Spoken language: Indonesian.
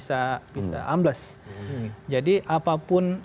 ambles jadi apapun